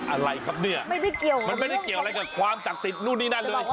อ๋ออะไรครับเนี่ยไม่ได้เกี่ยวอะไรกับความศักดิ์สิทธิ์นู่นนี่นั่นเลย